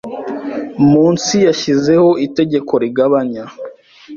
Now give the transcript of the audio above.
munsi Yashyizeho itegeko rigabanya